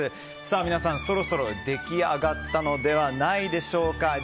皆さん、そろそろ出来上がったのではないでしょうか。